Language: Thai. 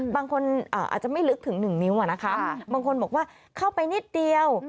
บางคนอาจจะไม่ลึกถึง๑นิ้วนะคะบางคนบอกว่าเข้าไปนิดเดียว